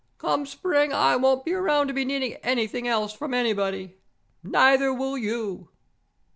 Come spring, I won't be around to be needing anything else from anybody. Neither will you!"